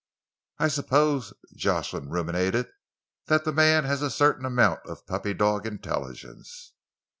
"I suppose," Jocelyn ruminated, "the man has a certain amount of puppy dog intelligence."